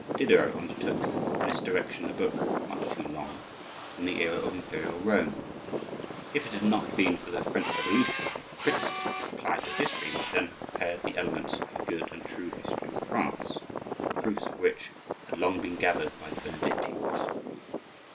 Diderot undertook in this direction a book (much too long) on the era of imperial Rome. If it had not been for the French Revolution, criticism applied to history might then have prepared the elements of a good and true history of France, the proofs for which had long been gathered by the Benedictines.